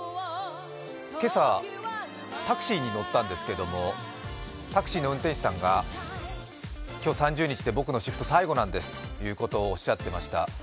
今朝、タクシーに乗ったんですけどもタクシーの運転手さんが、今日３０日で僕のシフト、最後なんですとおっしゃっていました。